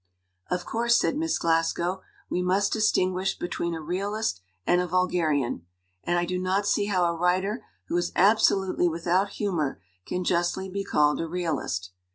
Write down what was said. "Of course," said Miss Glasgow, "we must dis tinguish between a realist and a vulgarian, and I do not see how a writer who is absolutely without humor can justly be called a realist.